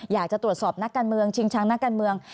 อยากจะตรวจสอบนักการเมืองชิงช้างนักการเมือง